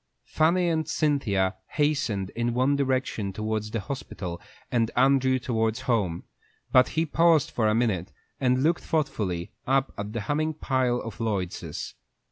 Fanny and Cynthia hastened in one direction towards the hospital, and Andrew towards home; but he paused for a minute, and looked thoughtfully up at the humming pile of Lloyd's.